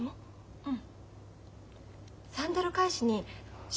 うん。